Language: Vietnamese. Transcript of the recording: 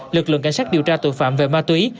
lực lượng cảnh sát điều tra tội phạm về ma túy